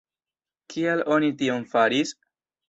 Kial oni tion faris?